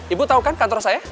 ibu tahu kan kantor saya